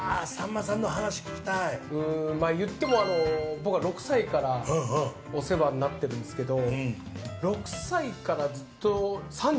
僕は６歳からお世話になってるんですけど。